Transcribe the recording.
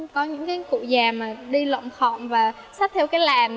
có những cụ già đi lộn khọn và sách theo cái làn